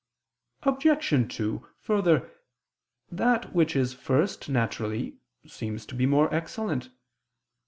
Obj. 2: Further, that which is first naturally, seems to be more excellent.